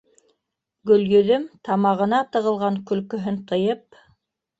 Гөлйөҙөм, тамағына тығылған көлкөһөн тыйып: